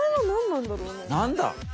何だ？